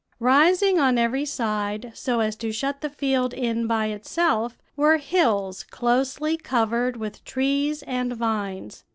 "Rising on every side, so as to shut the field in by itself, were hills closely covered with trees and vines.